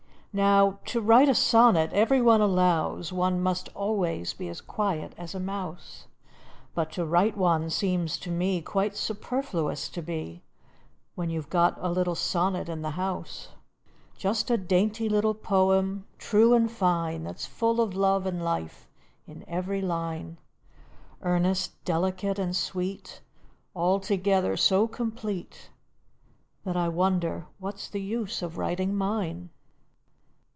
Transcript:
Now, to write a sonnet, every one allows, One must always be as quiet as a mouse; But to write one seems to me Quite superfluous to be, When you 've got a little sonnet in the house. Just a dainty little poem, true and fine, That is full of love and life in every line, Earnest, delicate, and sweet, Altogether so complete That I wonder what's the use of writing mine.